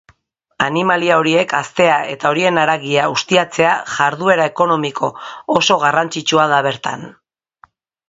Animalia horiek haztea eta horien haragia ustiatzea jarduera ekonomiko oso garrantzitsua da bertan.